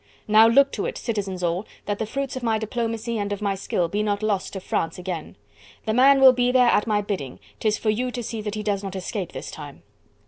Now look to it, citizens all, that the fruits of my diplomacy and of my skill be not lost to France again. The man will be there at my bidding, 'tis for you to see that he does not escape this time."